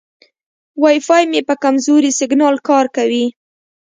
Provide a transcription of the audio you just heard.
وای فای مې په کمزوري سیګنال کار کوي.